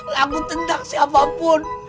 lagu tentang siapapun